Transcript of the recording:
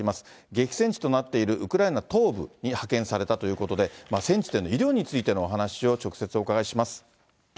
激戦地となっているウクライナ東部に派遣されたということで、戦地での医療についてのお話を直接お伺いします。